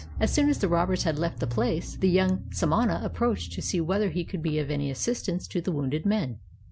As soon as the robbers had left the place, the young samana approached to see whether he could be of any assistance to the wounded men.